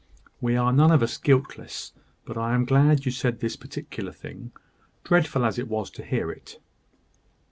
We are none of us guiltless; but I am glad you said this particular thing dreadful as it was to hear it.